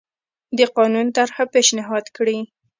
د قانون طرحه پېشنهاد کړي.